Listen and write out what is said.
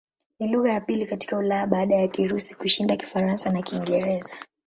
Ni lugha ya pili katika Ulaya baada ya Kirusi kushinda Kifaransa na Kiingereza.